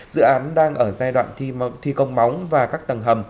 dự án đang ở giai đoạn thi công móng và các tầng hầm